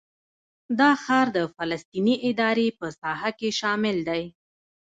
دا ښار د فلسطیني ادارې په ساحه کې شامل دی.